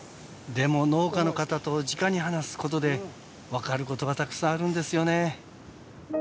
でも農家の方とじかに話すことで分かることがたくさんあるんですよね。